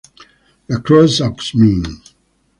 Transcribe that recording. La Croix-aux-Mines